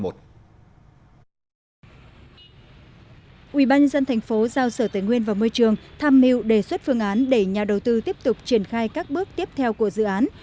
ubnd tp hcm giao sở tế nguyên và môi trường tham mưu đề xuất phương án để nhà đầu tư tiếp tục triển khai các bước tiếp theo của dự án